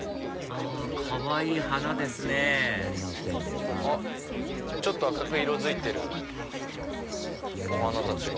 あかわいい花ですねあっちょっと赤く色づいてるお花たちが。